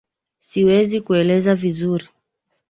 Siwezi kueleza vizuri.